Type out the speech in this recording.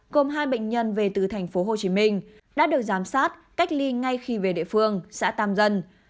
gồm hai bệnh nhân về từ thành phố hồ chí minh đã được giám sát cách ly ngay khi về địa phương xã tàm dân